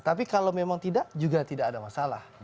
tapi kalau memang tidak juga tidak ada masalah